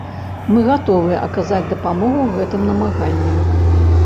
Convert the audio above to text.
Мы гатовыя аказаць дапамогу гэтым намаганням.